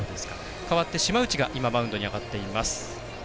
代わって島内がマウンドに上がっています。